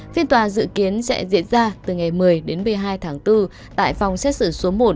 phiên tòa dự kiến sẽ diễn ra từ ngày một mươi đến một mươi hai tháng bốn tại phòng xét xử số một